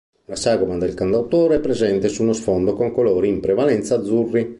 Una sagoma del cantautore è presente su uno sfondo con colori in prevalenza azzurri.